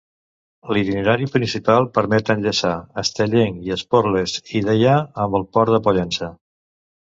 L'itinerari principal permet enllaçar Estellencs i Esporles, i Deià amb el Port de Pollença.